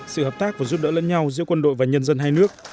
sự hợp tác và giúp đỡ lẫn nhau giữa quân đội và nhân dân hai nước